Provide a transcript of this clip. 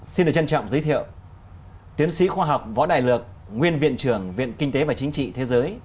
xin được trân trọng giới thiệu tiến sĩ khoa học võ đại lược nguyên viện trưởng viện kinh tế và chính trị thế giới